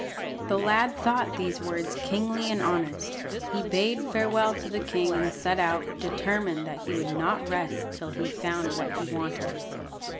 The lad thought these words kingly and honest. He bade farewell to the king and set out, determined that he would not rest till he had found what he wanted.